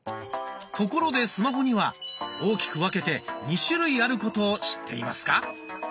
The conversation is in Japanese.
ところでスマホには大きく分けて２種類あることを知っていますか？